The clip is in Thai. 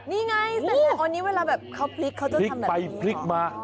นี่ไงเสร็จแล้วอันนี้เวลาแบบเขาพลิกเขาจะทำแบบนี้หรอพลิกไปพลิกมา